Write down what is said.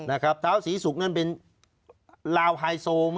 นะครับเท้าศรีสุกนั่นเป็นลาวไฮโซมั้ง